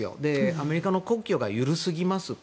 アメリカの国境が緩すぎます。